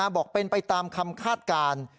บอกเป็นไปตามคำคาดการณ์